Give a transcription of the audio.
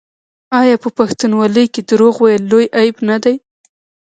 آیا په پښتونولۍ کې دروغ ویل لوی عیب نه دی؟